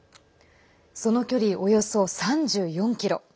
その距離およそ３４ｋｍ。